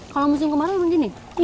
kalau musim kemarau begini